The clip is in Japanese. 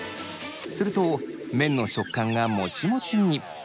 すると麺の食感がもちもちに。